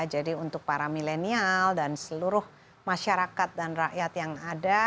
untuk para milenial dan seluruh masyarakat dan rakyat yang ada